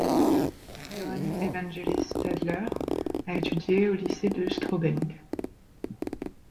Johann Evangelist Stadler a étudié au lycée de Straubing.